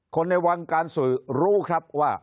ในวงการสื่อรู้ครับว่า